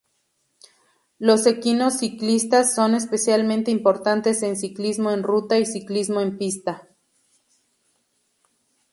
Los equipos ciclistas son especialmente importantes en ciclismo en ruta y ciclismo en pista.